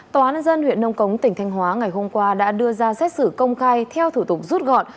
tòa án nhân dân huyện nông cống tỉnh thanh hóa ngày hôm qua đã đưa ra xét xử công khai theo thủ tục rút gọn